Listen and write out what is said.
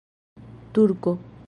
turko